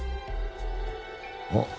あっ。